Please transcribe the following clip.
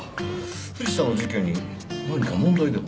藤田の事件に何か問題でも？